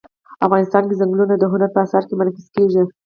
افغانستان کې ځنګلونه د هنر په اثار کې منعکس کېږي.